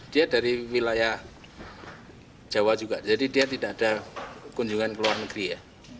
dia dari wilayah jawa juga jadi dia tidak ada kunjungan ke luar negeri ya